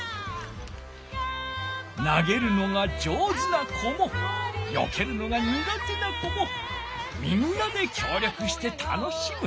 なげるのが上手な子もよけるのがにが手な子もみんなできょう力して楽しむ！